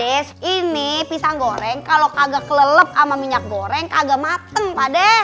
pak d ini pisang goreng kalau kagak kelelep sama minyak goreng kagak mateng pak d